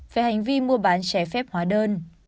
về hành vi mua bán trẻ phép hóa đơn